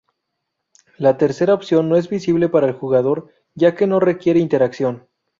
La tercera opción no es visible para el jugador ya que no requiere interacción.